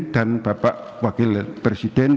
dan bapak wakil presiden